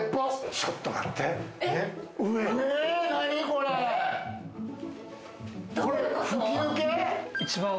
ちょっと待って、上。